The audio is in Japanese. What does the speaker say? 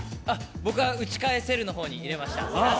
僕は「打ち返せる」に入れました。